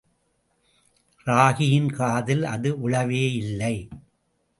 ராகியின் காதில் அது விழவே இல்லை.